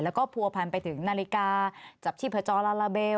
แล้วก็พวพันไปถึงนาฬิกาจับชิ้นประจ๋อลาราเบล